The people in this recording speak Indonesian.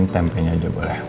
tempenya aja boleh